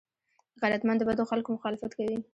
غیرتمند د بدو خلکو مخالفت کوي